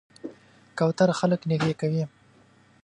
کوتره خلک نږدې کوي.